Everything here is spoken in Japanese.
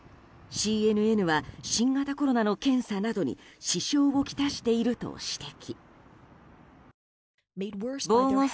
ＣＮＮは新型コロナの検査などに支障をきたしていると指摘。